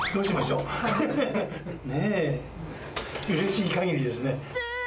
うれしいかぎりですね！